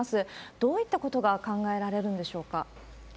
どういったことが考えられるんでしょうか？